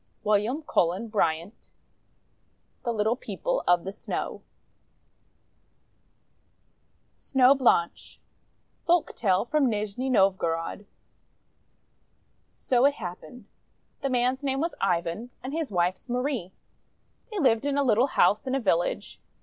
WILLIAM CULLEN BRYANT (The Little People of the Snow) SNOW BLANCHE Folktale from Nizhni Novgorod So it happened: — The man's name was Ivan, and his wife's Marie. They lived in a little house in a village.